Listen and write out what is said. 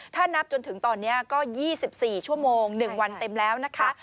ถ้านับจนถึงตอนนี้ก็๒๔ชั่วโมง๑วันเต็มแล้วนะคะ